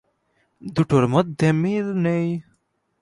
দুটোর মধ্যে মিল নেই।